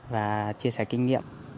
và chia sẻ kinh nghiệm